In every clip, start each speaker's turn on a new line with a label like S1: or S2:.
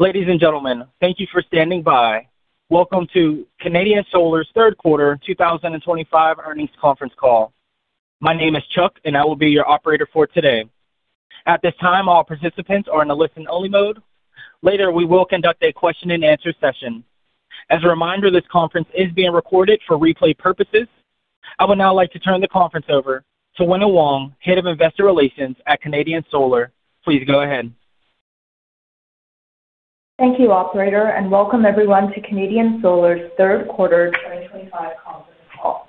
S1: Ladies and gentlemen, thank you for standing by. Welcome to Canadian Solar's third quarter 2025 earnings conference call. My name is Chuck, and I will be your operator for today. At this time, all participants are in a listen-only mode. Later, we will conduct a question-and-answer session. As a reminder, this conference is being recorded for replay purposes. I would now like to turn the conference over to Wina Huang, Head of Investor Relations at Canadian Solar. Please go ahead.
S2: Thank you, Operator, and welcome everyone to Canadian Solar's third quarter 2025 conference call.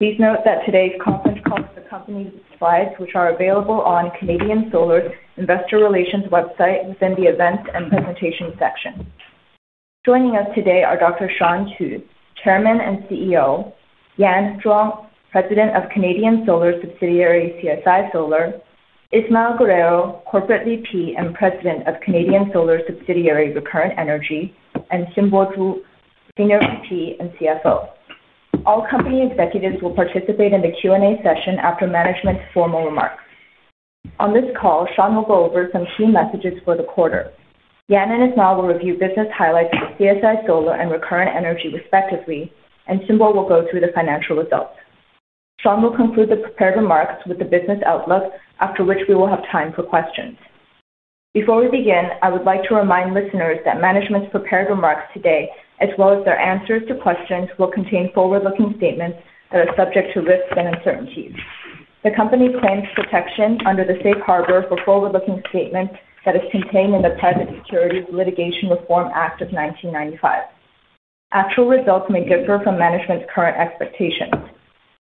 S2: Please note that today's conference call is accompanied by slides which are available on Canadian Solar's Investor Relations website within the events and presentation section. Joining us today are Dr. Shawn Qu, Chairman and CEO; Yan Zhuang, President of Canadian Solar Subsidiary CSI Solar; Ismael Guerrero, Corporate VP and President of Canadian Solar Subsidiary Recurrent Energy; and Xinbo Zhu, Senior VP and CFO. All company executives will participate in the Q&A session after management's formal remarks. On this call, Shawn will go over some key messages for the quarter. Yan and Ismael will review business highlights for CSI Solar and Recurrent Energy respectively, and Xinbo will go through the financial results. Shawn will conclude the prepared remarks with the business outlook, after which we will have time for questions. Before we begin, I would like to remind listeners that management's prepared remarks today, as well as their answers to questions, will contain forward-looking statements that are subject to risks and uncertainties. The company claims protection under the Safe Harbor for Forward-Looking Statement that is contained in the Private Securities Litigation Reform Act of 1995. Actual results may differ from management's current expectations.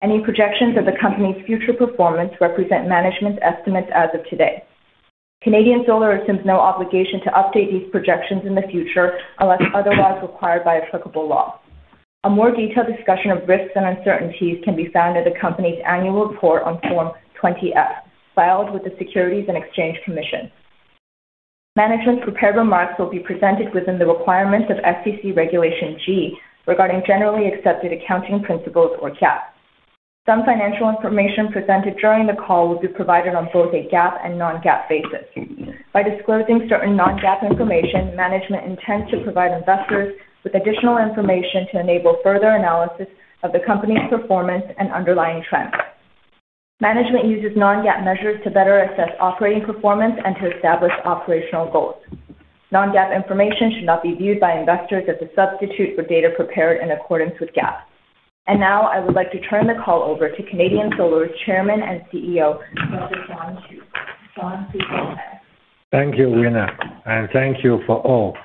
S2: Any projections of the company's future performance represent management's estimates as of today. Canadian Solar assumes no obligation to update these projections in the future unless otherwise required by applicable law. A more detailed discussion of risks and uncertainties can be found in the company's annual report on Form 20F, filed with the Securities and Exchange Commission. Management's prepared remarks will be presented within the requirements of SEC Regulation G regarding Generally Accepted Accounting Principles, or GAAP. Some financial information presented during the call will be provided on both a GAAP and non-GAAP basis. By disclosing certain non-GAAP information, management intends to provide investors with additional information to enable further analysis of the company's performance and underlying trends. Management uses non-GAAP measures to better assess operating performance and to establish operational goals. Non-GAAP information should not be viewed by investors as a substitute for data prepared in accordance with GAAP. I would like to turn the call over to Canadian Solar's Chairman and CEO, Dr. Shawn Qu.
S3: Thank you, Wina, and thank you for all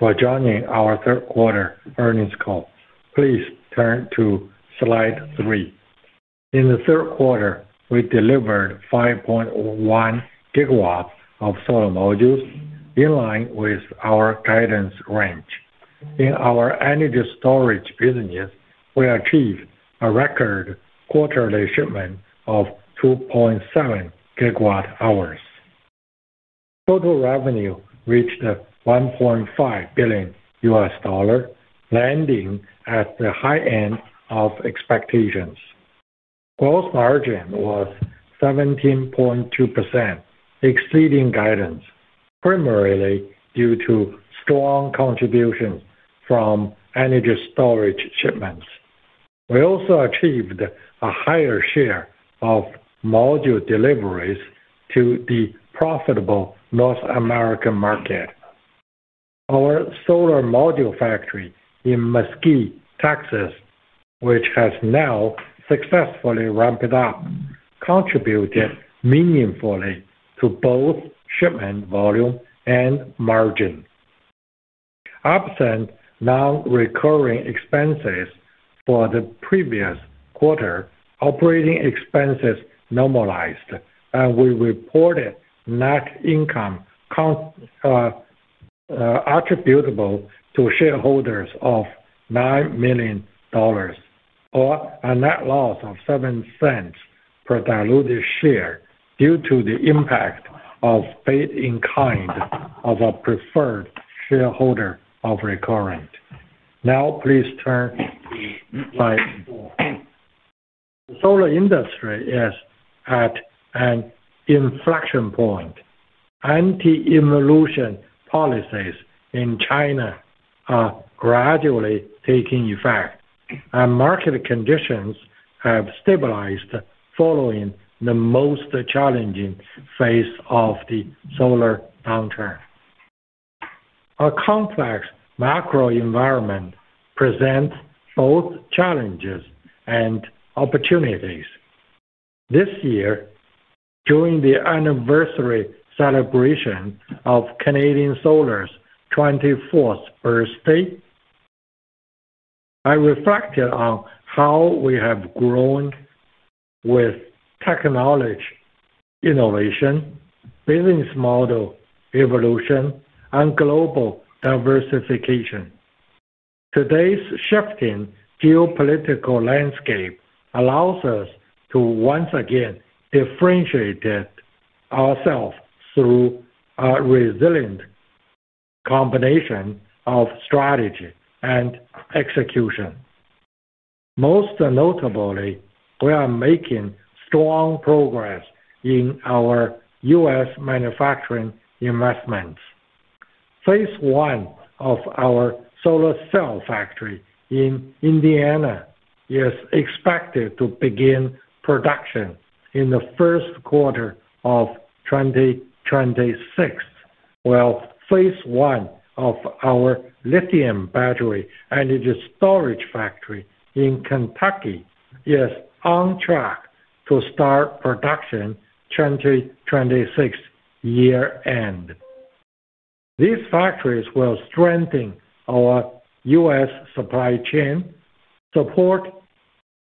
S3: for joining our third quarter earnings call. Please turn to slide three. In the third quarter, we delivered 5.1 GW of solar modules in line with our guidance range. In our energy storage business, we achieved a record quarterly shipment of 2.7 GWh. Total revenue reached $1.5 billion, landing at the high end of expectations. Gross margin was 17.2%, exceeding guidance, primarily due to strong contributions from energy storage shipments. We also achieved a higher share of module deliveries to the profitable North American market. Our solar module factory in Mesquite, Texas, which has now successfully ramped up, contributed meaningfully to both shipment volume and margin. Absent non-recurring expenses for the previous quarter, operating expenses normalized, and we reported net income attributable to shareholders of $9 million or a net loss of $0.07 per diluted share due to the impact of fate in kind of a preferred shareholder of Recurrent. Now, please turn to slide four. The solar industry is at an inflection point. Anti-evolution policies in China are gradually taking effect, and market conditions have stabilized following the most challenging phase of the solar downturn. A complex macro environment presents both challenges and opportunities. This year, during the anniversary celebration of Canadian Solar's 24th birthday, I reflected on how we have grown with technology innovation, business model evolution, and global diversification. Today's shifting geopolitical landscape allows us to once again differentiate ourselves through a resilient combination of strategy and execution. Most notably, we are making strong progress in our U.S. manufacturing investments. Phase I of our solar cell factory in Indiana is expected to begin production in the first quarter of 2026, while phase I of our lithium battery energy storage factory in Kentucky is on track to start production at the 2026 year-end. These factories will strengthen our U.S. supply chain, support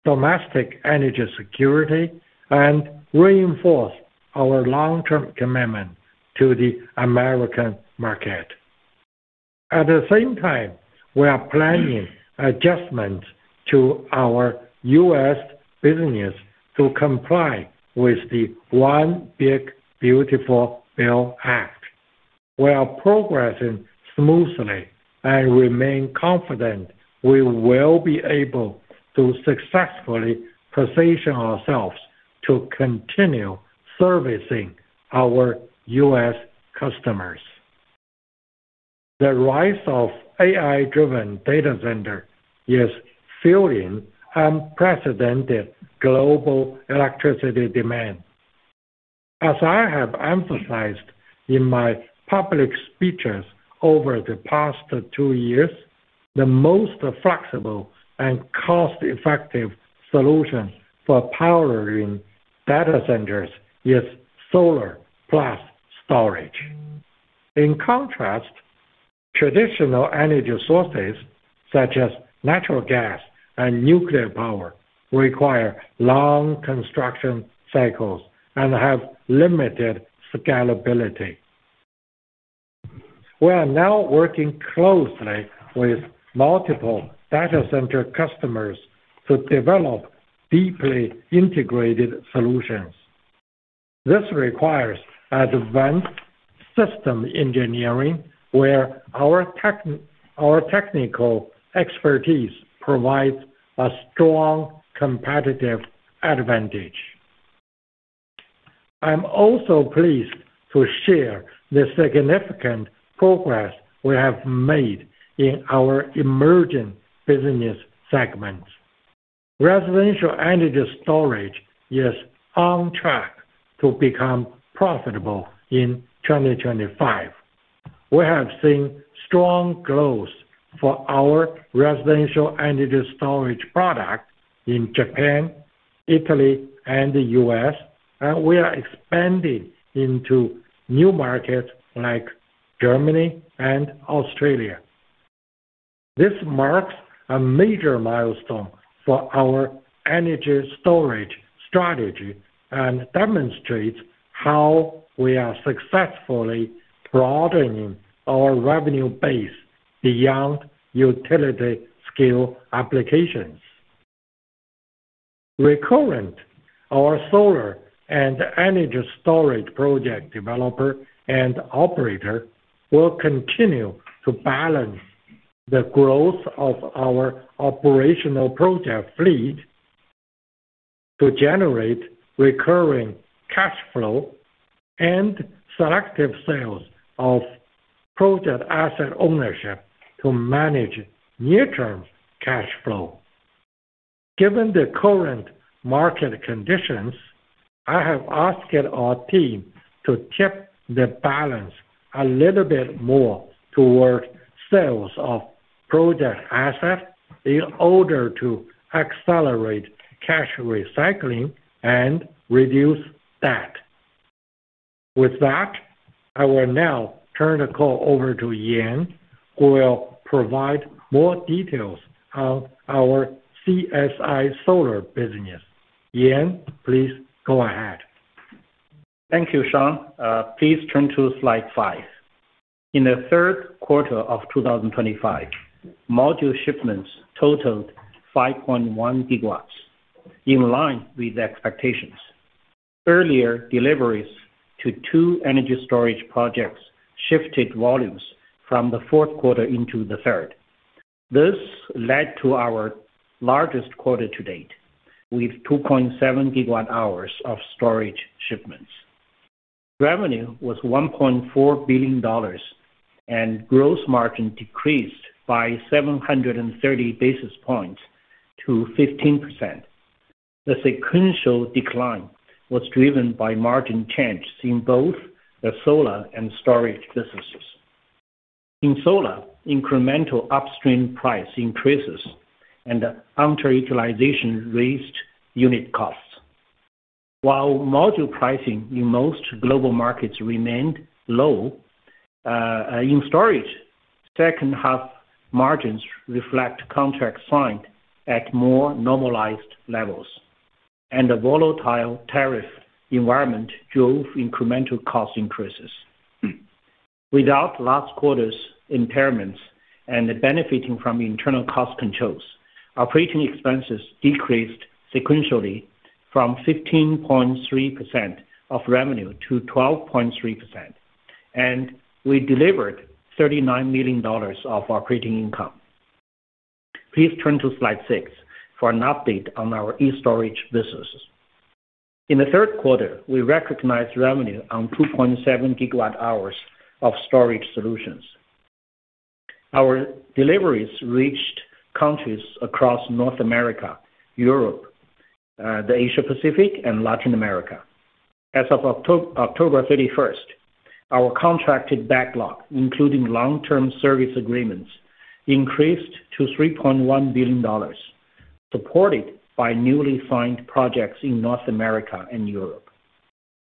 S3: domestic energy security, and reinforce our long-term commitment to the American market. At the same time, we are planning adjustments to our U.S. business to comply with the One Big Beautiful Bill Act. We are progressing smoothly and remain confident we will be able to successfully position ourselves to continue servicing our U.S. customers. The rise of AI-driven data centers is fueling unprecedented global electricity demand. As I have emphasized in my public speeches over the past two years, the most flexible and cost-effective solution for powering data centers is solar plus storage. In contrast, traditional energy sources such as natural gas and nuclear power require long construction cycles and have limited scalability. We are now working closely with multiple data center customers to develop deeply integrated solutions. This requires advanced system engineering where our technical expertise provides a strong competitive advantage. I'm also pleased to share the significant progress we have made in our emerging business segments. Residential energy storage is on track to become profitable in 2025. We have seen strong growth for our residential energy storage product in Japan, Italy, and the U.S., and we are expanding into new markets like Germany and Australia. This marks a major milestone for our energy storage strategy and demonstrates how we are successfully broadening our revenue base beyond utility-scale applications. Recurrent, our solar and energy storage project developer and operator, will continue to balance the growth of our operational project fleet to generate recurring cash flow and selective sales of project asset ownership to manage near-term cash flow. Given the current market conditions, I have asked our team to tip the balance a little bit more toward sales of project assets in order to accelerate cash recycling and reduce debt. With that, I will now turn the call over to Yan, who will provide more details on our CSI Solar business. Yan, please go ahead.
S4: Thank you, Shawn. Please turn to slide five. In the third quarter of 2025, module shipments totaled 5.1 GW, in line with expectations. Earlier deliveries to two energy storage projects shifted volumes from the fourth quarter into the third. This led to our largest quarter to date, with 2.7 GWh of storage shipments. Revenue was $1.4 billion, and gross margin decreased by 730 basis points to 15%. The sequential decline was driven by margin changes in both the solar and storage businesses. In solar, incremental upstream price increases and under-utilization raised unit costs. While module pricing in most global markets remained low, in storage, second-half margins reflect contracts signed at more normalized levels, and a volatile tariff environment drove incremental cost increases. Without last quarter's impairments and benefiting from internal cost controls, operating expenses decreased sequentially from 15.3% of revenue to 12.3%, and we delivered $39 million of operating income. Please turn to slide six for an update on our e-STORAGE businesses. In the third quarter, we recognized revenue on 2.7 GWh of storage solutions. Our deliveries reached countries across North America, Europe, the Asia-Pacific, and Latin America. As of October 31, our contracted backlog, including long-term service agreements, increased to $3.1 billion, supported by newly signed projects in North America and Europe.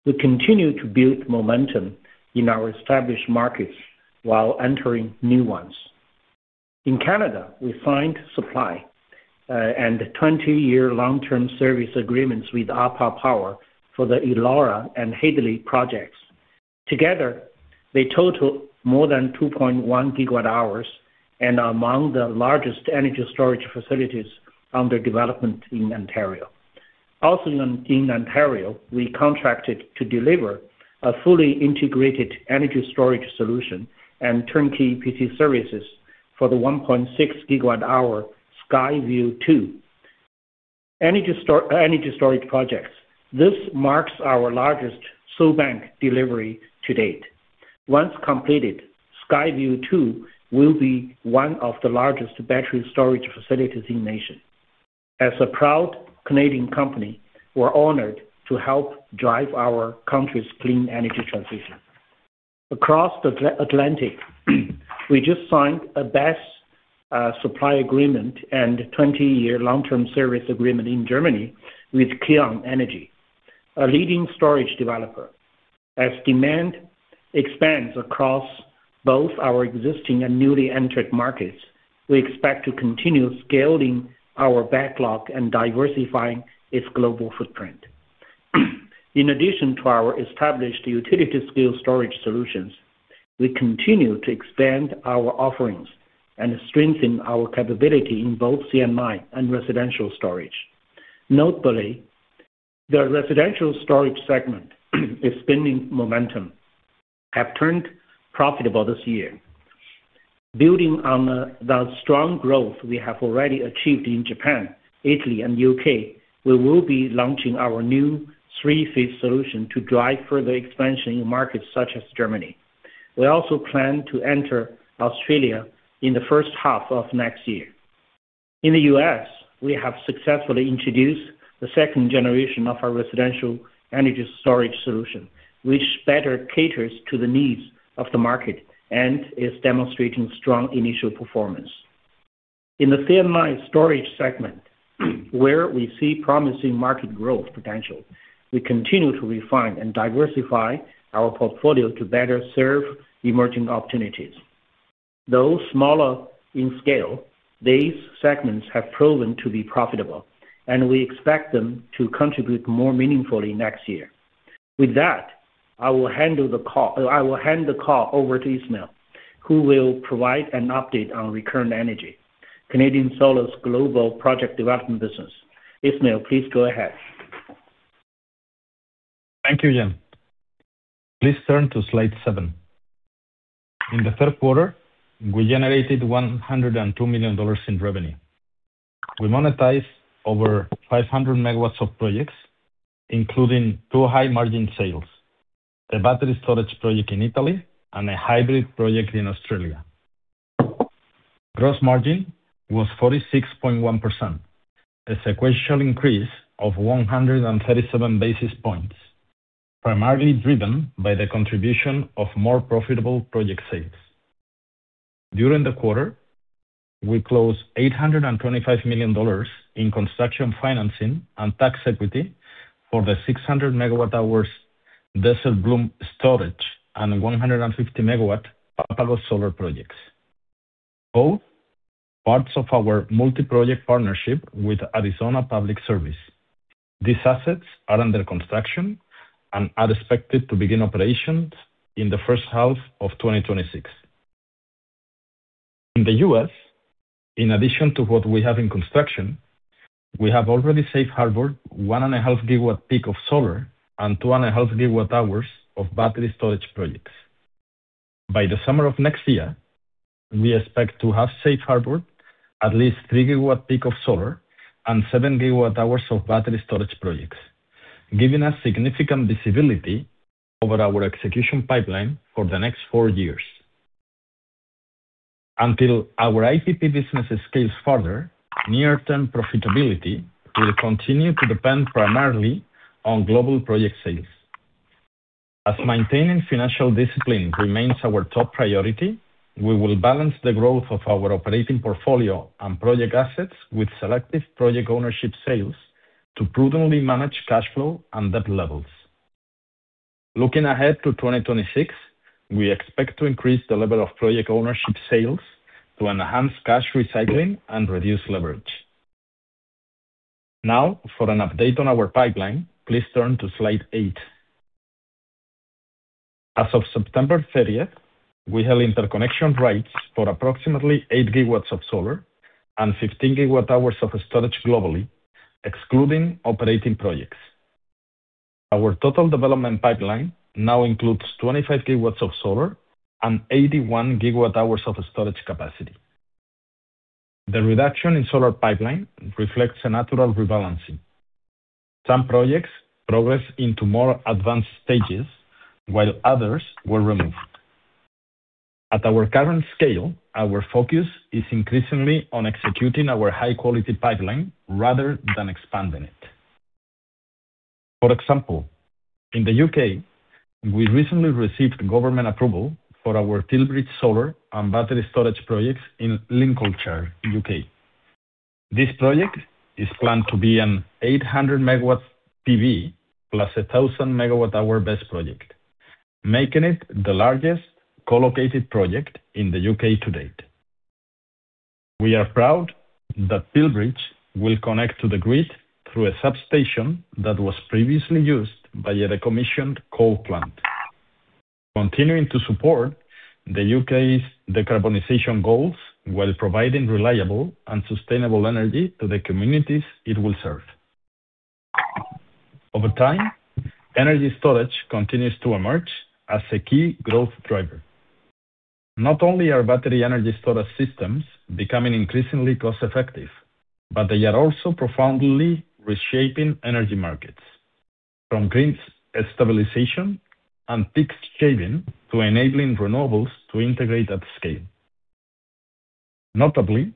S4: We continue to build momentum in our established markets while entering new ones. In Canada, we signed supply and 20-year long-term service agreements with APA Power for the Elara and Hadley projects. Together, they total more than 2.1 GWh and are among the largest energy storage facilities under development in Ontario. Also in Ontario, we contracted to deliver a fully integrated energy storage solution and turnkey PT services for the 1.6 GWh Skyview 2 energy storage projects. This marks our largest solar bank delivery to date. Once completed, Skyview 2 will be one of the largest battery storage facilities in the nation. As a proud Canadian company, we're honored to help drive our country's clean energy transition. Across the Atlantic, we just signed a best supply agreement and 20-year long-term service agreement in Germany with Kyon Energy, a leading storage developer. As demand expands across both our existing and newly entered markets, we expect to continue scaling our backlog and diversifying its global footprint. In addition to our established utility-scale storage solutions, we continue to expand our offerings and strengthen our capability in both CNI and residential storage. Notably, the residential storage segment is spinning momentum and has turned profitable this year. Building on the strong growth we have already achieved in Japan, Italy, and the U.K., we will be launching our new III-phase solution to drive further expansion in markets such as Germany. We also plan to enter Australia in the first half of next year. In the U.S., we have successfully introduced the 2nd generation of our residential energy storage solution, which better caters to the needs of the market and is demonstrating strong initial performance. In the CNI storage segment, where we see promising market growth potential, we continue to refine and diversify our portfolio to better serve emerging opportunities. Though smaller in scale, these segments have proven to be profitable, and we expect them to contribute more meaningfully next year. With that, I will hand the call over to Ismael, who will provide an update on Recurrent Energy, Canadian Solar's global project development business. Ismael, please go ahead.
S5: Thank you, Jen. Please turn to slide seven. In the third quarter, we generated $102 million in revenue. We monetized over 500 MW of projects, including two high-margin sales, a battery storage project in Italy and a hybrid project in Australia. Gross margin was 46.1%, a sequential increase of 137 basis points, primarily driven by the contribution of more profitable project sales. During the quarter, we closed $825 million in construction financing and tax equity for the 600 MWh Desert Bloom storage and 150 MW APAGOS solar projects, both parts of our multi-project partnership with Arizona Public Service. These assets are under construction and are expected to begin operations in the first half of 2026. In the U.S., in addition to what we have in construction, we have already safe harbored 1.5 GW peak of solar and 2.5 GWh of battery storage projects. By the summer of next year, we expect to have safe harbored at least 3 GW peak of solar and 7 GWh of battery storage projects, giving us significant visibility over our execution pipeline for the next four years. Until our IPP business scales further, near-term profitability will continue to depend primarily on global project sales. As maintaining financial discipline remains our top priority, we will balance the growth of our operating portfolio and project assets with selective project ownership sales to prudently manage cash flow and debt levels. Looking ahead to 2026, we expect to increase the level of project ownership sales to enhance cash recycling and reduce leverage. Now, for an update on our pipeline, please turn to slide eight. As of September 30, we have interconnection rights for approximately 8 GW of solar and 15 GWh of storage globally, excluding operating projects. Our total development pipeline now includes 25 GW of solar and 81 GWh of storage capacity. The reduction in solar pipeline reflects a natural rebalancing. Some projects progress into more advanced stages, while others were removed. At our current scale, our focus is increasingly on executing our high-quality pipeline rather than expanding it. For example, in the U.K., we recently received government approval for our Tilbridge Solar and Battery Storage projects in Lincolnshire, U.K. This project is planned to be an 800 MW PV plus 1,000 MWh battery energy storage systems project, making it the largest co-located project in the U.K. to date. We are proud that Tilbridge will connect to the grid through a substation that was previously used by a decommissioned coal plant, continuing to support the U.K.'s decarbonization goals while providing reliable and sustainable energy to the communities it will serve. Over time, energy storage continues to emerge as a key growth driver. Not only are battery energy storage systems becoming increasingly cost-effective, but they are also profoundly reshaping energy markets, from grid stabilization and peak shaving to enabling renewables to integrate at scale. Notably,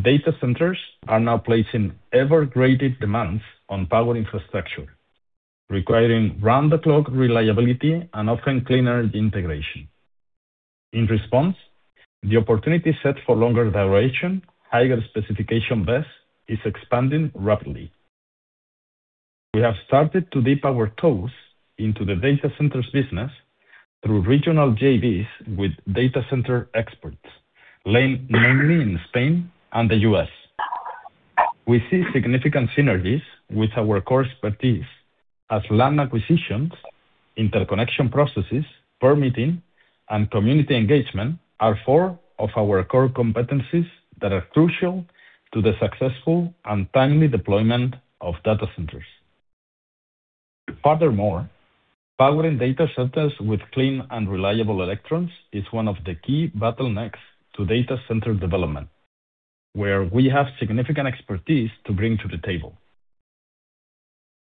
S5: data centers are now placing ever-greater demands on power infrastructure, requiring round-the-clock reliability and often cleaner integration. In response, the opportunity set for longer duration, higher specification BESS is expanding rapidly. We have started to dip our toes into the data centers business through regional JVs with data center experts, mainly in Spain and the U.S. We see significant synergies with our core expertise as land acquisitions, interconnection processes, permitting, and community engagement are four of our core competencies that are crucial to the successful and timely deployment of data centers. Furthermore, powering data centers with clean and reliable electrons is one of the key bottlenecks to data center development, where we have significant expertise to bring to the table.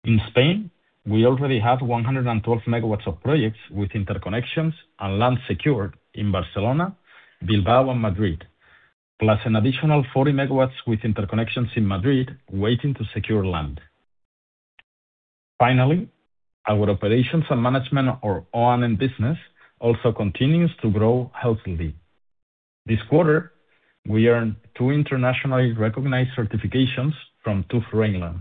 S5: In Spain, we already have 112 MW of projects with interconnections and land secured in Barcelona, Bilbao, and Madrid, plus an additional 40 MW with interconnections in Madrid waiting to secure land. Finally, our operations and management or O&M business also continues to grow healthily. This quarter, we earned two internationally recognized certifications from two frameworks: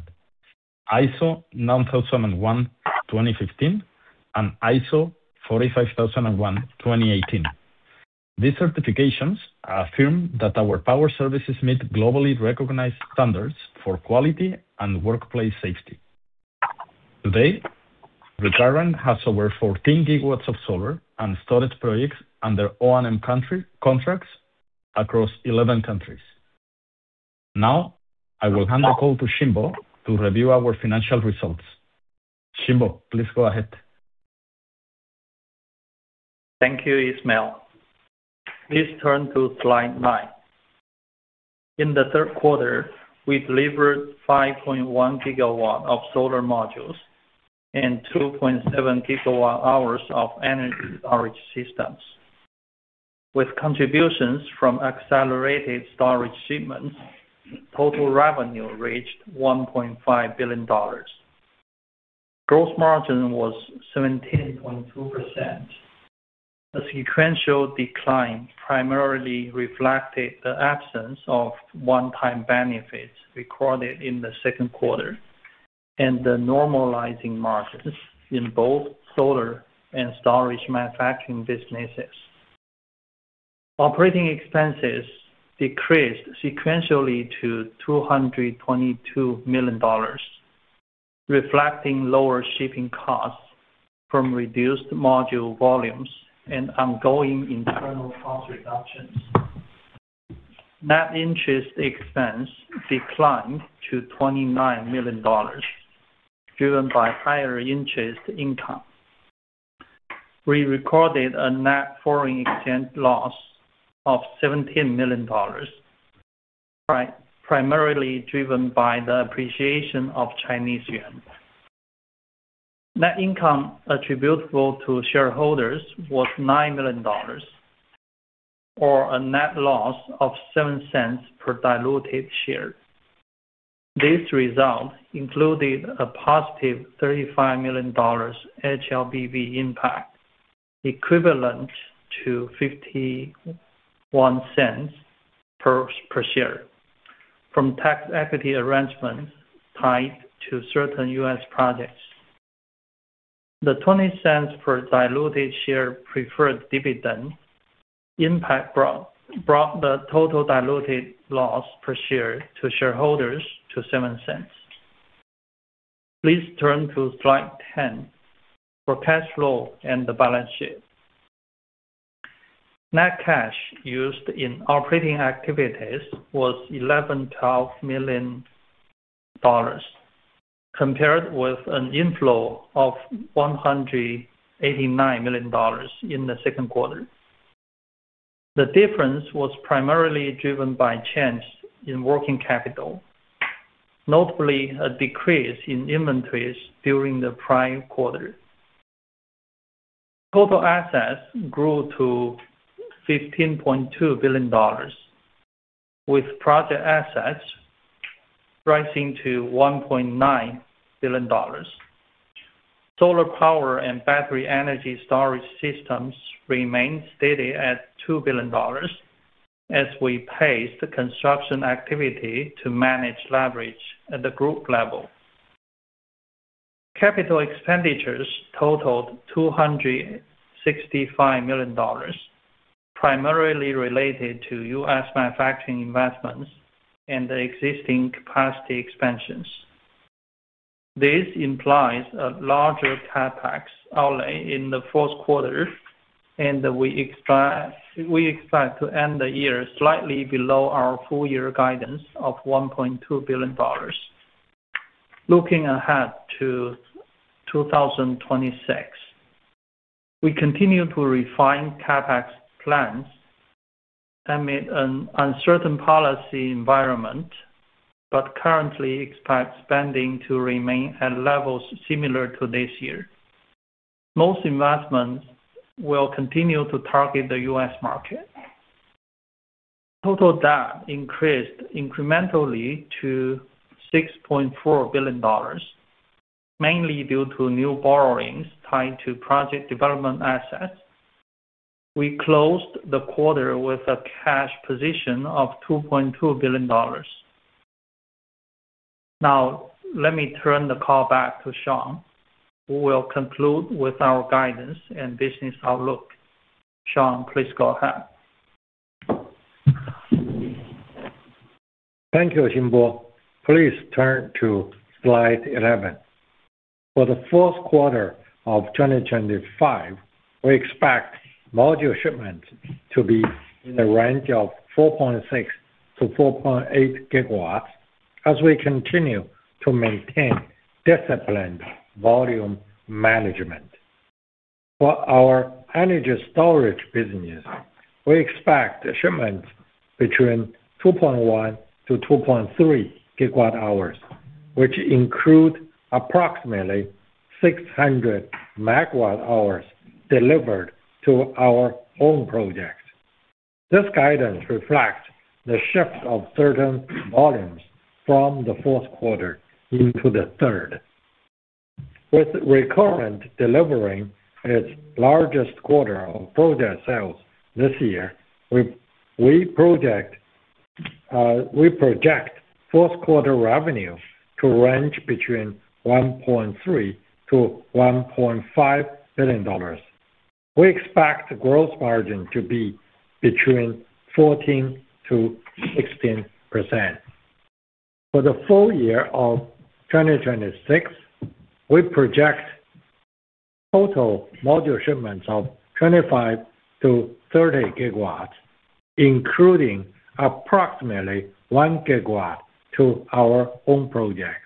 S5: ISO 9001:2015 and ISO 45001:2018. These certifications affirm that our power services meet globally recognized standards for quality and workplace safety. Today, the company has over 14 GW of solar and storage projects under O&M contracts across 11 countries. Now, I will hand the call to Xinbo to review our financial results. Xinbo, please go ahead.
S6: Thank you, Ismael. Please turn to slide nine. In the third quarter, we delivered 5.1 GW of solar modules and 2.7 GWh of energy storage systems. With contributions from accelerated storage shipments, total revenue reached $1.5 billion. Gross margin was 17.2%. The sequential decline primarily reflected the absence of one-time benefits recorded in the second quarter and the normalizing margins in both solar and storage manufacturing businesses. Operating expenses decreased sequentially to $222 million, reflecting lower shipping costs from reduced module volumes and ongoing internal cost reductions. Net interest expense declined to $29 million, driven by higher interest income. We recorded a net foreign exchange loss of $17 million, primarily driven by the appreciation of Chinese yuan. Net income attributable to shareholders was $9 million, or a net loss of $0.07 per diluted share. This result included a +$35 million HLBV impact, equivalent to $0.51 per share, from tax equity arrangements tied to certain U.S. projects. The $0.20 per diluted share preferred dividend impact brought the total diluted loss per share to shareholders to $0.07. Please turn to slide 10 for cash flow and the balance sheet. Net cash used in operating activities was $1,112 million, compared with an inflow of $189 million in the second quarter. The difference was primarily driven by change in working capital, notably a decrease in inventories during the prior quarter. Total assets grew to $15.2 billion, with project assets rising to $1.9 billion. Solar power and battery energy storage systems remained steady at $2 billion, as we paced construction activity to manage leverage at the group level. Capital expenditures totaled $265 million, primarily related to US manufacturing investments and existing capacity expansions. This implies a larger CapEx outlay in the fourth quarter, and we expect to end the year slightly below our full-year guidance of $1.2 billion. Looking ahead to 2026, we continue to refine CapEx plans amid an uncertain policy environment, but currently expect spending to remain at levels similar to this year. Most investments will continue to target the US market. Total debt increased incrementally to $6.4 billion, mainly due to new borrowings tied to project development assets. We closed the quarter with a cash position of $2.2 billion. Now, let me turn the call back to Shawn, who will conclude with our guidance and business outlook. Shawn, please go ahead.
S3: Thank you, Xinbo. Please turn to slide 11. For the fourth quarter of 2025, we expect module shipments to be in the range of 4.6 GW-4.8 GW, as we continue to maintain disciplined volume management. For our energy storage business, we expect shipments between 2.1 GWh-2.3 GWh, which include approximately 600 MWh delivered to our own projects. This guidance reflects the shift of certain volumes from the fourth quarter into the third. With Recurrent delivering its largest quarter of project sales this year, we project fourth quarter revenue to range between $1.3 billion-$1.5 billion. We expect the gross margin to be between 14%-16%. For the full year of 2026, we project total module shipments of 25 GW-30 GW, including approximately 1 GW to our own projects.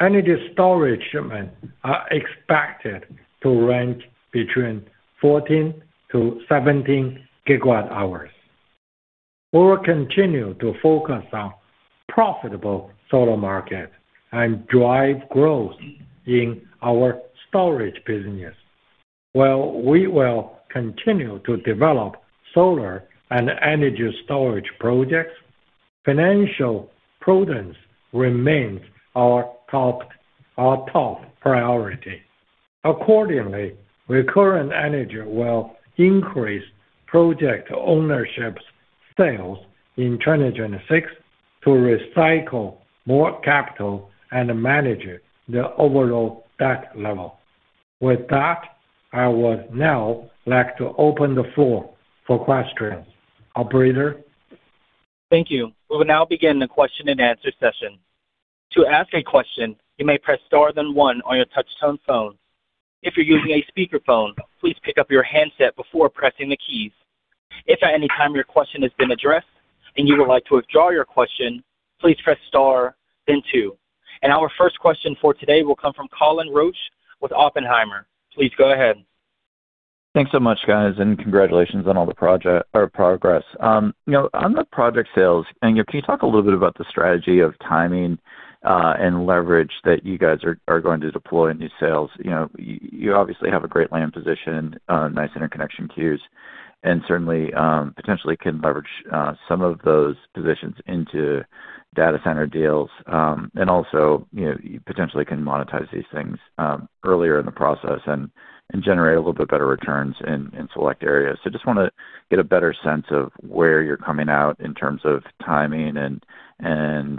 S3: Energy storage shipments are expected to range between 14 GWh-17 GWh. We will continue to focus on profitable solar markets and drive growth in our storage business. While we will continue to develop solar and energy storage projects, financial prudence remains our top priority. Accordingly, Recurrent Energy will increase project ownership sales in 2026 to recycle more capital and manage the overall debt level. With that, I would now like to open the floor for questions. Operator.
S1: Thank you. We will now begin the question and answer session. To ask a question, you may press star then one on your touchstone phone. If you're using a speakerphone, please pick up your handset before pressing the keys. If at any time your question has been addressed and you would like to withdraw your question, please press star, then two. Our first question for today will come from Colin Rusch with Oppenheimer. Please go ahead.
S7: Thanks so much, guys, and congratulations on all the project progress. On the project sales, can you talk a little bit about the strategy of timing and leverage that you guys are going to deploy new sales? You obviously have a great land position, nice interconnection queues, and certainly potentially can leverage some of those positions into data center deals. You potentially can monetize these things earlier in the process and generate a little bit better returns in select areas. Just want to get a better sense of where you're coming out in terms of timing and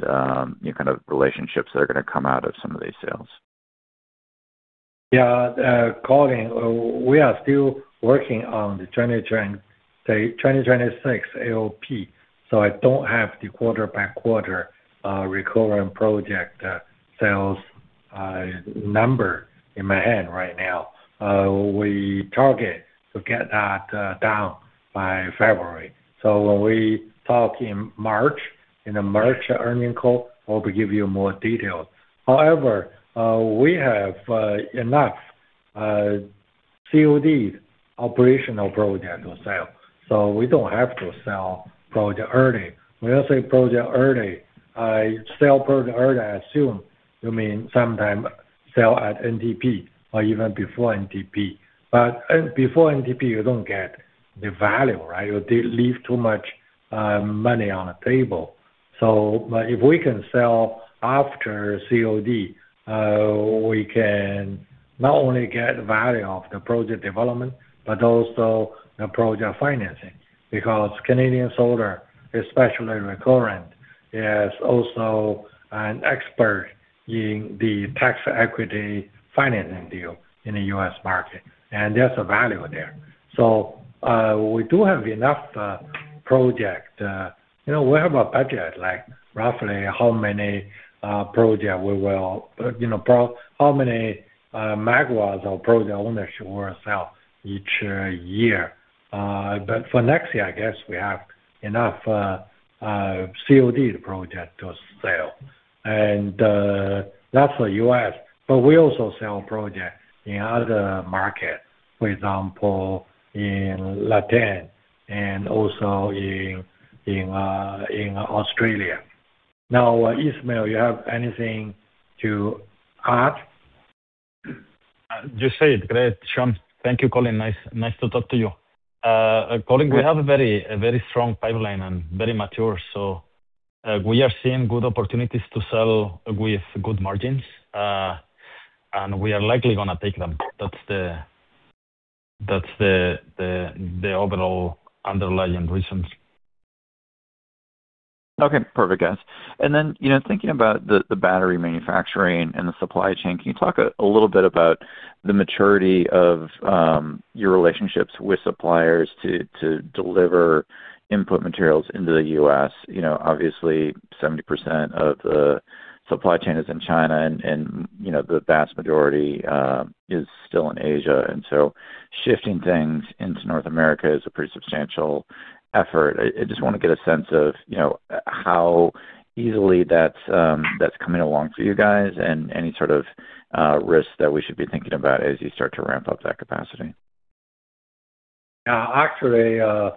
S7: kind of relationships that are going to come out of some of these sales.
S3: Yeah. Colin, we are still working on the 2026 AOP, so I do not have the quarter-by-quarter Recurrent project sales number in my hand right now. We target to get that down by February. When we talk in March, in the March earning call, I will give you more details. However, we have enough COD operational project to sell, so we do not have to sell project early. When I say project early, sell project early, I assume you mean sometime sell at NTP or even before NTP. Before NTP, you do not get the value, right? You leave too much money on the table. If we can sell after COD, we can not only get value of the project development, but also the project financing, because Canadian Solar, especially Recurrent, is also an expert in the tax equity financing deal in the U.S. market, and there is a value there. We do have enough projects. We have a budget, like roughly how many projects we will, how many megawatts of project ownership we will sell each year. For next year, I guess we have enough COD project to sell. That is for the U.S. We also sell projects in other markets, for example, in Latin and also in Australia. Ismael, you have anything to add?
S5: Just say it. Thank you, Colin. Nice to talk to you. Colin, we have a very strong pipeline and very mature, so we are seeing good opportunities to sell with good margins, and we are likely going to take them. That's the overall underlying reasons.
S7: Okay. Perfect, guys. Thinking about the battery manufacturing and the supply chain, can you talk a little bit about the maturity of your relationships with suppliers to deliver input materials into the U.S.? Obviously, 70% of the supply chain is in China, and the vast majority is still in Asia. Shifting things into North America is a pretty substantial effort. I just want to get a sense of how easily that's coming along for you guys and any sort of risks that we should be thinking about as you start to ramp up that capacity.
S3: Yeah. Actually, there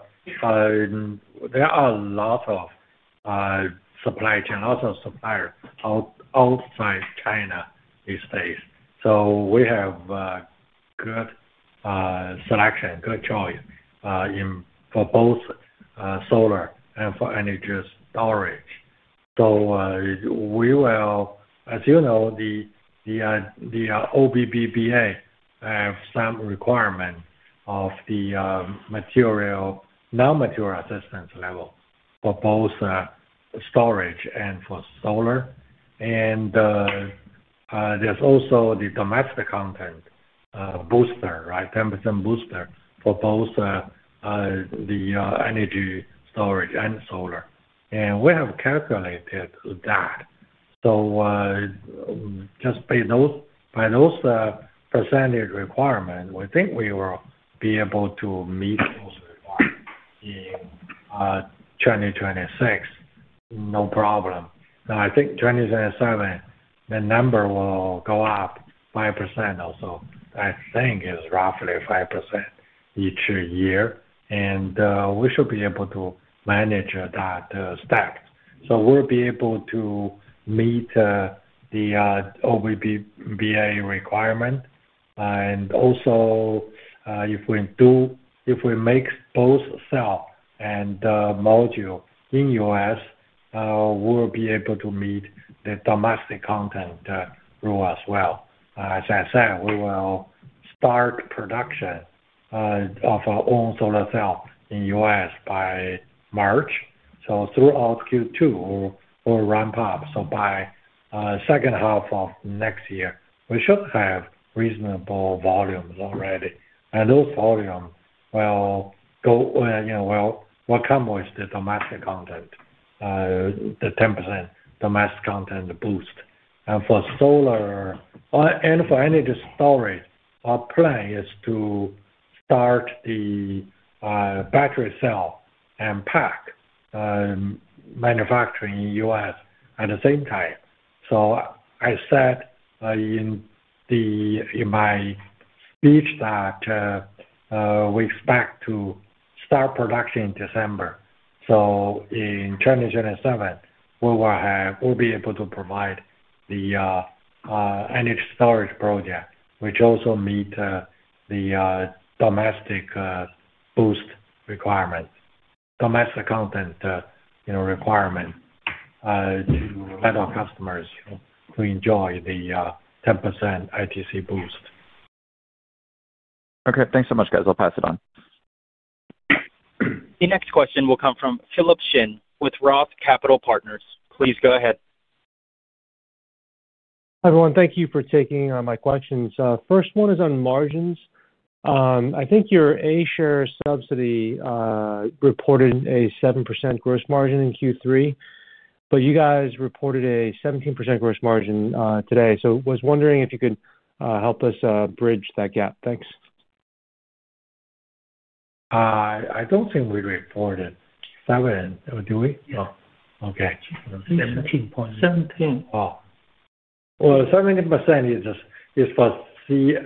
S3: are a lot of supply chain, lots of suppliers outside China these days. We have good selection, good choice for both solar and for energy storage. We will, as you know, the OBBBA have some requirement of the non-material assistance level for both storage and for solar. There is also the domestic content booster, right, 10% booster for both the energy storage and solar. We have calculated that. Just by those percentage requirements, we think we will be able to meet those requirements in 2026, no problem. I think 2027, the number will go up 5% also. I think it is roughly 5% each year, and we should be able to manage that step. We will be able to meet the OBBBA requirement. If we make both cell and module in the U.S., we will be able to meet the domestic content rule as well. As I said, we will start production of our own solar cell in the U.S. by March. Throughout Q2, we will ramp up. By the second half of next year, we should have reasonable volumes already. Those volumes will come with the domestic content, the 10% domestic content boost. For solar and for energy storage, our plan is to start the battery cell and pack manufacturing in the U.S. at the same time. I said in my speech that we expect to start production in December. In 2027, we will be able to provide the energy storage project, which also meets the domestic boost requirement, domestic content requirement, to let our customers enjoy the 10% ITC boost.
S7: Okay. Thanks so much, guys. I'll pass it on.
S1: The next question will come from Philip Shen with Roth Capital Partners. Please go ahead.
S8: Hi everyone. Thank you for taking my questions. First one is on margins. I think your A-share subsidiary reported a 7% gross margin in Q3, but you guys reported a 17% gross margin today. I was wondering if you could help us bridge that gap. Thanks.
S3: I don't think we reported 7, or do we?
S4: No.
S3: Okay.
S4: 17.
S3: 17 percent is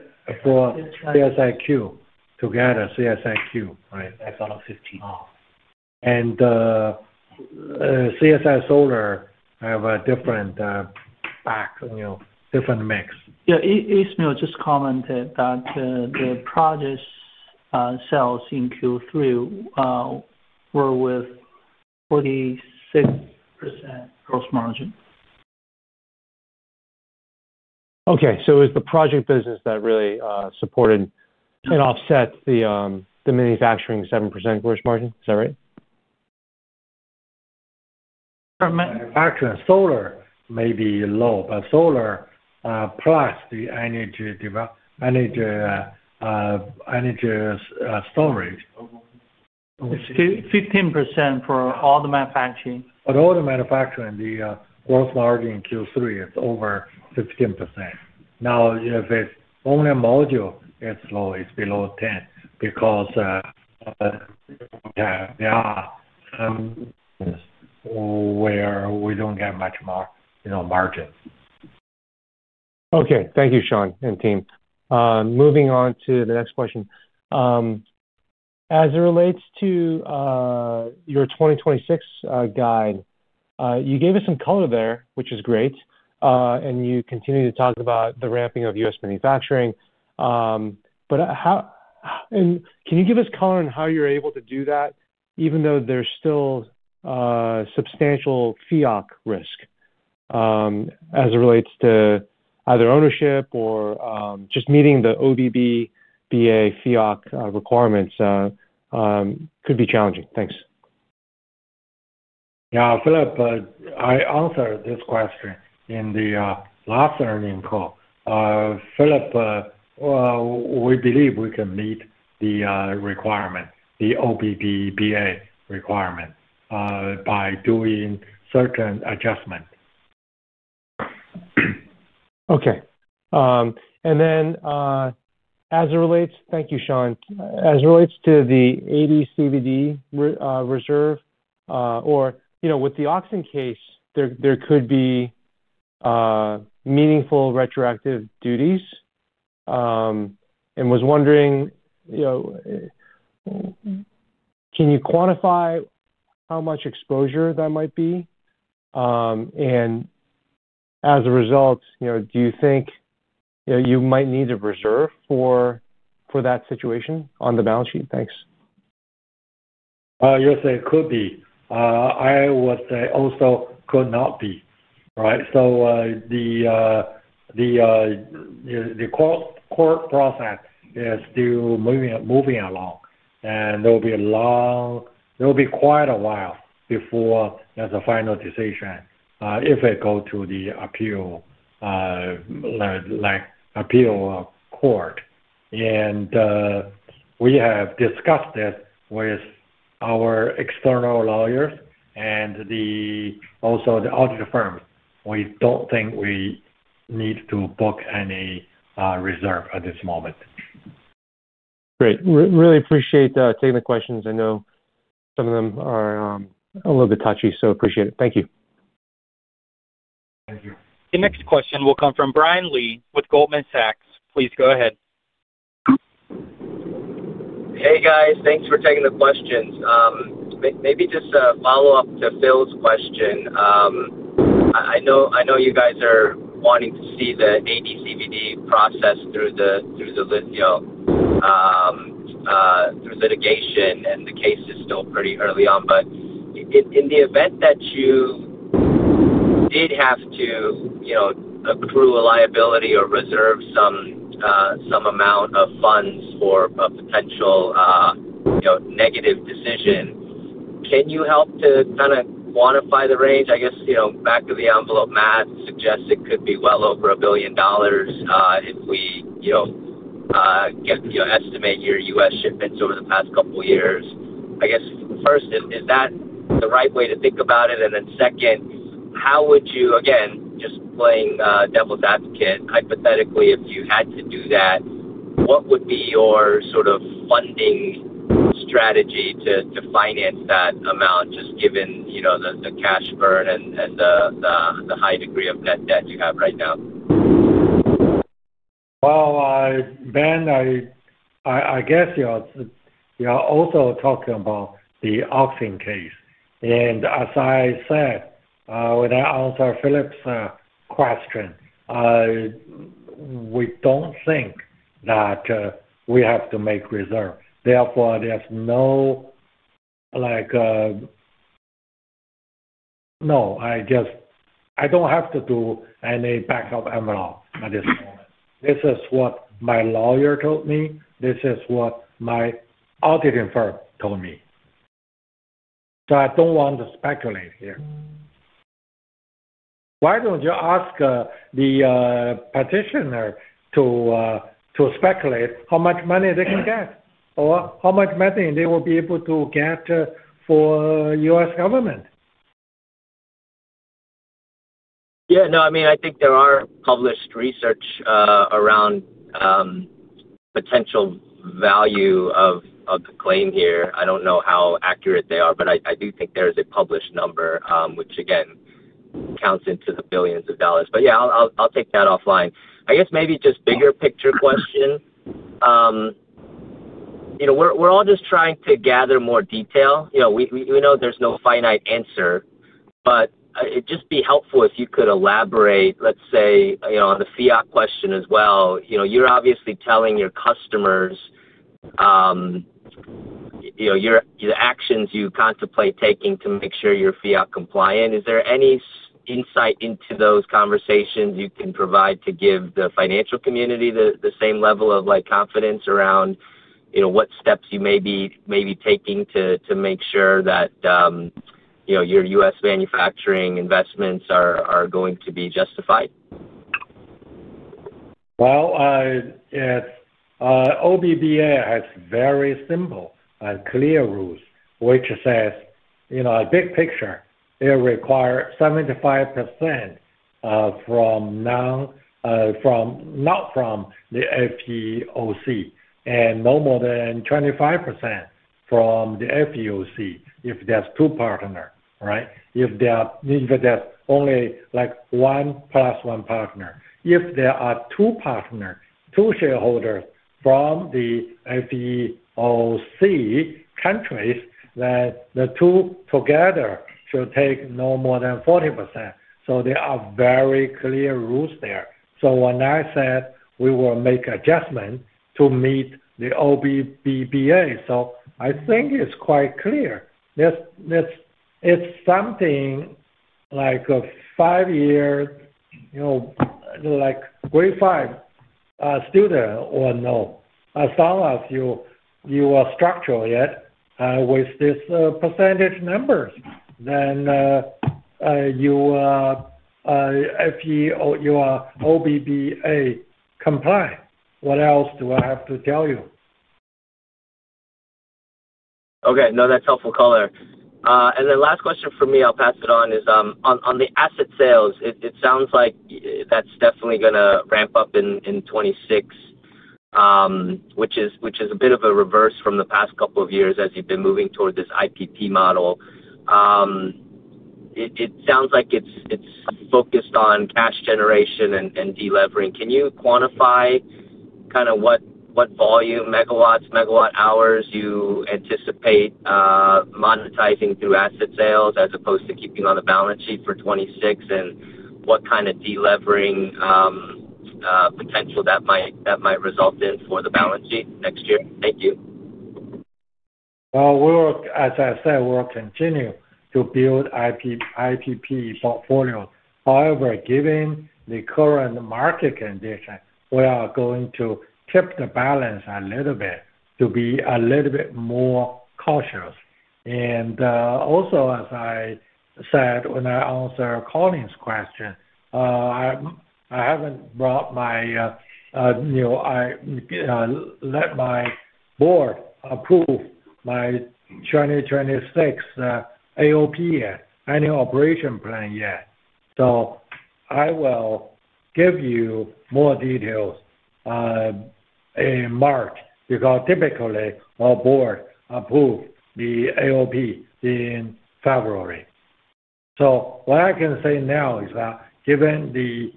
S3: for CSIQ together, CSIQ, right?
S4: That's out of 15.
S3: CSI Solar have a different pack, different mix.
S6: Yeah. Ismael just commented that the project sales in Q3 were with 46% gross margin.
S8: Okay. So it was the project business that really supported and offset the manufacturing 7% gross margin. Is that right?
S3: Actually, solar may be low, but solar plus the energy storage.
S6: 15% for all the manufacturing.
S3: For all the manufacturing, the gross margin in Q3 is over 15%. Now, if it's only module, it's low. It's below 10% because there are where we don't get much margin.
S8: Okay. Thank you, Shawn and team. Moving on to the next question. As it relates to your 2026 guide, you gave us some color there, which is great. You continue to talk about the ramping of U.S. manufacturing. Can you give us color on how you're able to do that, even though there's still substantial FEOC risk as it relates to either ownership or just meeting the OBBBA FEOC requirements could be challenging? Thanks.
S3: Yeah. Philip, I answered this question in the last earnings call. Philip, we believe we can meet the requirement, the OBBBA requirement, by doing certain adjustments.
S8: Okay. Thank you, Shawn. As it relates to the 80 CBD reserve, or with the Oxen case, there could be meaningful retroactive duties. I was wondering, can you quantify how much exposure that might be? As a result, do you think you might need a reserve for that situation on the balance sheet? Thanks.
S3: Yes, it could be. I would say also could not be, right? The court process is still moving along, and there will be quite a while before there is a final decision if it goes to the appeal court. We have discussed this with our external lawyers and also the audit firms. We do not think we need to book any reserve at this moment.
S8: Great. Really appreciate taking the questions. I know some of them are a little bit touchy, so appreciate it. Thank you.
S3: Thank you.
S1: The next question will come from Brian Lee with Goldman Sachs. Please go ahead.
S9: Hey, guys. Thanks for taking the questions. Maybe just a follow-up to Phil's question. I know you guys are wanting to see the 80 CBD process through the litigation, and the case is still pretty early on. In the event that you did have to accrue a liability or reserve some amount of funds for a potential negative decision, can you help to kind of quantify the range? I guess back of the envelope math suggests it could be well over $1 billion if we estimate your U.S. shipments over the past couple of years. I guess first, is that the right way to think about it? How would you—again, just playing devil's advocate—hypothetically, if you had to do that, what would be your sort of funding strategy to finance that amount, just given the cash burn and the high degree of net debt you have right now?
S3: Ben, I guess you're also talking about the Oxen case. As I said when I answered Philip's question, we don't think that we have to make reserve. Therefore, there's no, no, I don't have to do any backup envelope at this moment. This is what my lawyer told me. This is what my auditing firm told me. I don't want to speculate here. Why don't you ask the petitioner to speculate how much money they can get or how much money they will be able to get for the U.S. government?
S9: Yeah. No, I mean, I think there are published research around potential value of the claim here. I do not know how accurate they are, but I do think there is a published number, which, again, counts into the billions of dollars. Yeah, I will take that offline. I guess maybe just bigger picture question. We are all just trying to gather more detail. We know there is no finite answer, but it would just be helpful if you could elaborate, let's say, on the FEOC question as well. You are obviously telling your customers the actions you contemplate taking to make sure you are FEOC compliant. Is there any insight into those conversations you can provide to give the financial community the same level of confidence around what steps you may be taking to make sure that your U.S. manufacturing investments are going to be justified?
S3: OBBBA has very simple and clear rules, which says a big picture, it requires 75% from not from the FEOC and no more than 25% from the FEOC if there are two partners, right? If there is only one plus one partner. If there are two partners, two shareholders from the FEOC countries, then the two together should take no more than 40%. There are very clear rules there. When I said we will make adjustments to meet the OBBBA, I think it is quite clear. It is something like a five-year grade five student or no. As long as you are structured yet with these percentage numbers, then you are OBBBA compliant. What else do I have to tell you?
S9: Okay. No, that's helpful color. Then last question for me, I'll pass it on, is on the asset sales. It sounds like that's definitely going to ramp up in 2026, which is a bit of a reverse from the past couple of years as you've been moving toward this IPP model. It sounds like it's focused on cash generation and deleveraging. Can you quantify kind of what volume, megawatts, megawatt hours you anticipate monetizing through asset sales as opposed to keeping on the balance sheet for 2026, and what kind of deleveraging potential that might result in for the balance sheet next year? Thank you.
S3: As I said, we'll continue to build IPP portfolio. However, given the current market condition, we are going to tip the balance a little bit to be a little bit more cautious. Also, as I said when I answered Colin's question, I haven't let my board approve my 2026 AOP yet, annual operation plan yet. I will give you more details in March because typically our board approves the AOP in February. What I can say now is that given the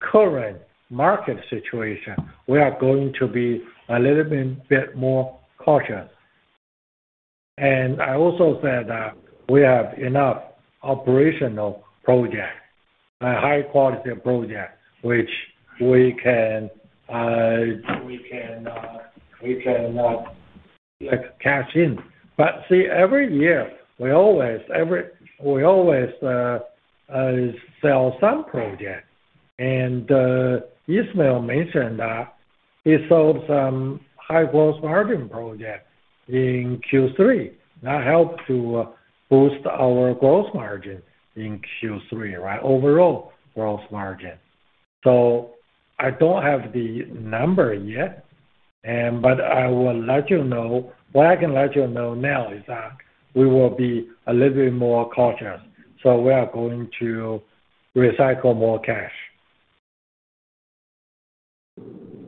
S3: current market situation, we are going to be a little bit more cautious. I also said that we have enough operational projects, high-quality projects, which we can cash in. See, every year we always sell some projects. Ismael mentioned that he sold some high-gross margin projects in Q3. That helped to boost our gross margin in Q3, right? Overall gross margin. I don't have the number yet, but I will let you know. What I can let you know now is that we will be a little bit more cautious. We are going to recycle more cash.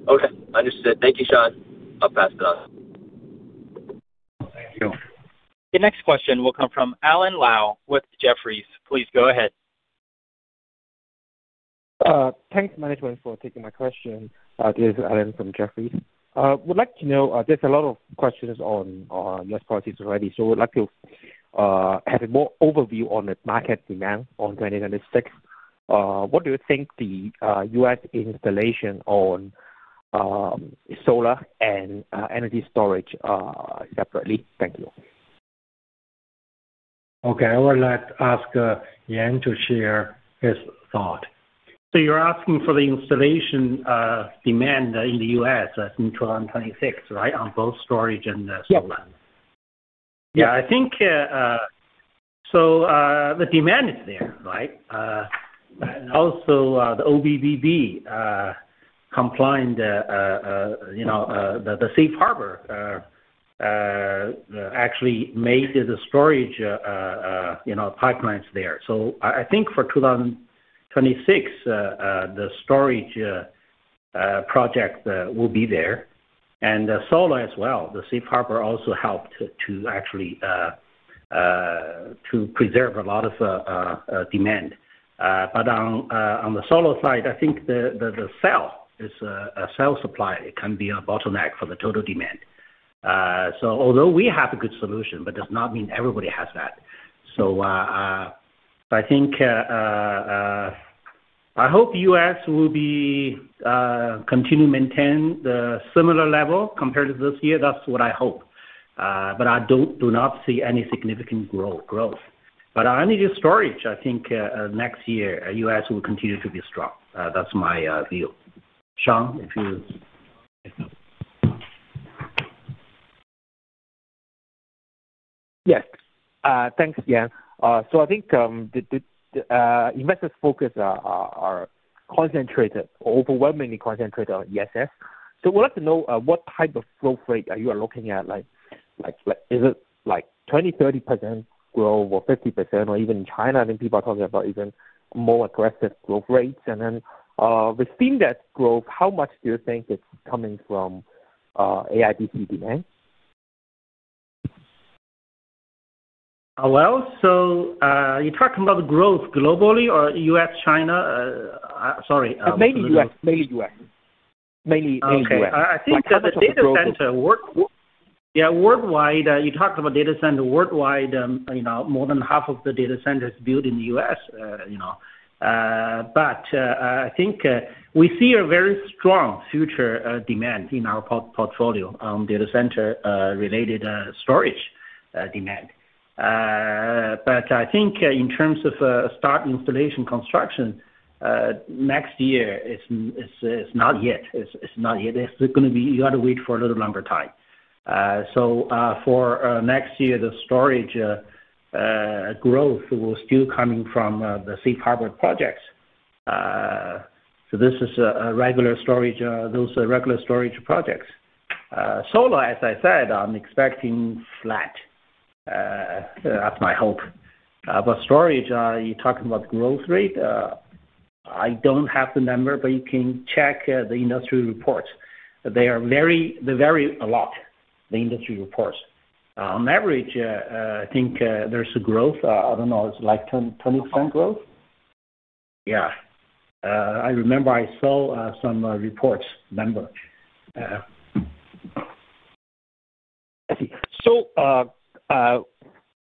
S9: Okay. Understood. Thank you, Shawn. I'll pass it on.
S3: Thank you.
S1: The next question will come from Alan Lau with Jefferies. Please go ahead.
S10: Thanks, Management, for taking my question. This is Alan from Jefferies. Would like to know there's a lot of questions on U.S. policies already, so we'd like to have a more overview on the market demand on 2026. What do you think the U.S. installation on solar and energy storage separately? Thank you.
S3: Okay. I will let Yan ask to share his thought.
S4: You're asking for the installation demand in the U.S. in 2026, right, on both storage and solar?
S3: Yeah.
S4: Yeah. I think the demand is there, right? Also, the OBBB compliant, the safe harbor actually made the storage pipelines there. I think for 2026, the storage project will be there. And solar as well, the safe harbor also helped to actually preserve a lot of demand. On the solar side, I think the cell is a cell supply. It can be a bottleneck for the total demand. Although we have a good solution, that does not mean everybody has that. I hope US will continue to maintain the similar level compared to this year. That is what I hope. I do not see any significant growth. Energy storage, I think next year, U.S. will continue to be strong. That is my view. Shawn, if you—
S10: Yes. Thanks, Yan. I think investors' focus are concentrated, overwhelmingly concentrated on ESS. We'd like to know what type of growth rate you are looking at. Is it 20%, 30% growth, or 50%, or even in China? I think people are talking about even more aggressive growth rates. Within that growth, how much do you think it's coming from AIPC demand?
S4: So you're talking about the growth globally or U.S., China? Sorry.
S10: Mainly U.S..
S4: Okay. So the data center—yeah, worldwide, you're talking about data center worldwide. More than half of the data centers are built in the U.S.. I think we see a very strong future demand in our portfolio on data center-related storage demand. I think in terms of start installation construction next year, it's not yet. It's not yet. It's going to be you got to wait for a little longer time. For next year, the storage growth will still come from the safe harbor projects. This is a regular storage—those regular storage projects. Solar, as I said, I'm expecting flat. That's my hope. Storage, you're talking about growth rate? I don't have the number, but you can check the industry reports. They're very a lot, the industry reports. On average, I think there's a growth. I don't know. It's like 20% growth? Yeah. I remember I saw some reports number.
S10: I see.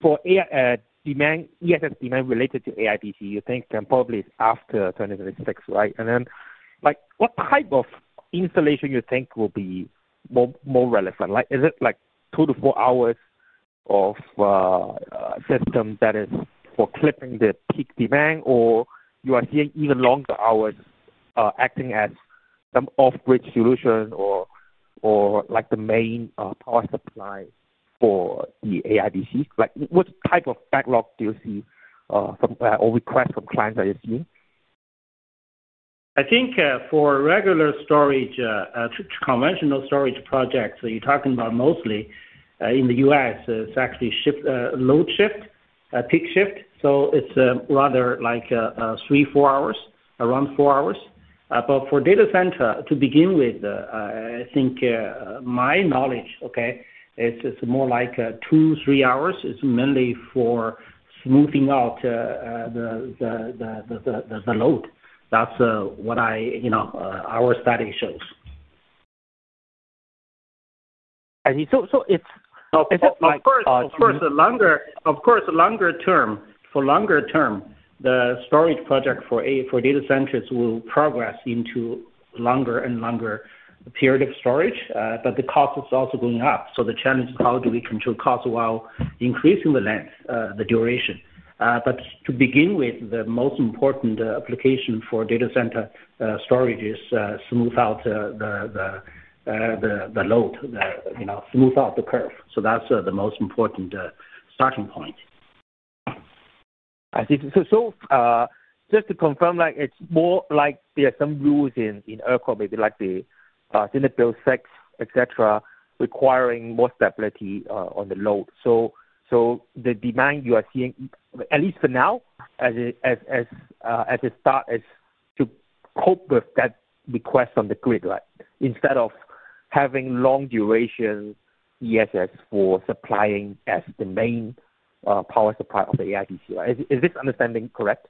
S10: For ESS demand related to AIPC, you think probably after 2026, right? What type of installation do you think will be more relevant? Is it two- to four-hour systems that are for clipping the peak demand, or are you seeing even longer hours acting as some off-grid solution or the main power supply for the AIPC? What type of backlog do you see or requests from clients that you're seeing?
S4: I think for regular storage, conventional storage projects, you're talking about mostly in the U.S., it's actually load shift, peak shift. It is rather like three, four hours, around four hours. For data center, to begin with, I think my knowledge, okay, it is more like two, three hours. It is mainly for smoothing out the load. That is what our study shows.
S10: I see. Of course, longer term, for longer term, the storage project for data centers will progress into longer and longer period of storage. The cost is also going up. The challenge is how do we control cost while increasing the length, the duration. To begin with, the most important application for data center storage is smooth out the load, smooth out the curve. That is the most important starting point. I see. Just to confirm, it is more like there are some rules in ERCOT, maybe like the Senate Bill 6, etc., requiring more stability on the load. The demand you are seeing, at least for now, as a start, is to cope with that request on the grid, right, instead of having long-duration ESS for supplying as the main power supply of the AIPC. Is this understanding correct?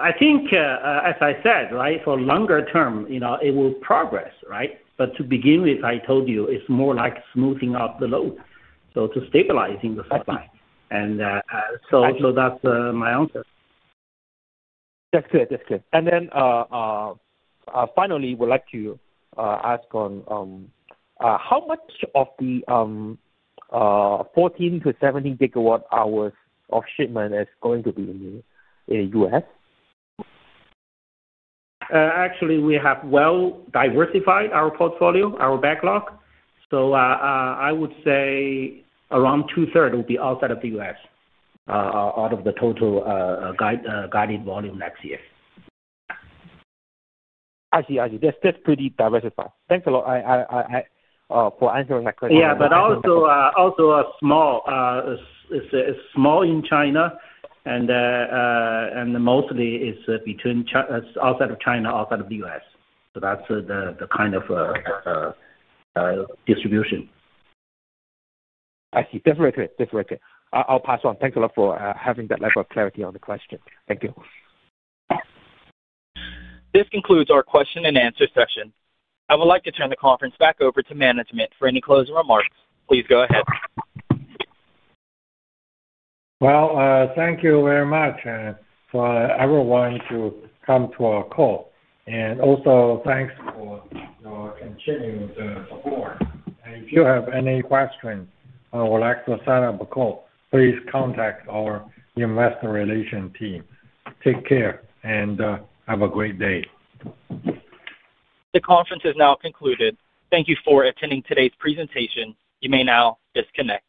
S4: I think, as I said, right, for longer term, it will progress, right? To begin with, I told you it's more like smoothing out the load, to stabilizing the supply. That is my answer.
S10: That's good. That's good. Finally, we'd like to ask on how much of the 14 GWh-17 GWh of shipment is going to be in the U.S.?
S4: Actually, we have well-diversified our portfolio, our backlog. I would say around two-thirds will be outside of the U.S., out of the total guided volume next year.
S10: I see. I see. That's pretty diversified. Thanks a lot for answering that question.
S4: Yeah. It's in China, and mostly it's outside of China, outside of the U.S.. So that's the kind of distribution.
S10: I see. That's very good. I'll pass on. Thanks a lot for having that level of clarity on the question. Thank you.
S1: This concludes our question and answer session. I would like to turn the conference back over to management for any closing remarks. Please go ahead.
S3: Thank you very much for everyone to come to our call. Also, thanks for your continued support. If you have any questions or would like to set up a call, please contact our investor relation team. Take care and have a great day.
S1: The conference is now concluded. Thank you for attending today's presentation. You may now disconnect.